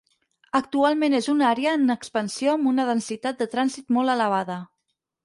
Actualment és una àrea en expansió amb una densitat de trànsit molt elevada.